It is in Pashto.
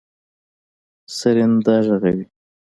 سرېنده غږوي.